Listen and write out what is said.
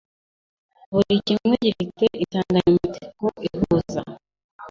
buri kimwe gifite insanganyamatsiko ihuza